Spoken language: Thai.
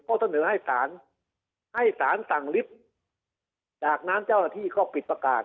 ก็เสนอให้สารให้สารสั่งลิฟท์จากนั้นเจ้าหน้าที่ก็ปิดประกาศ